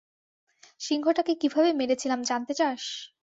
সিংহটাকে কীভাবে মেরেছিলাম জানতে চাস?